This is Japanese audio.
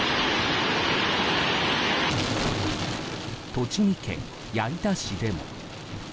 栃木県矢板市でも。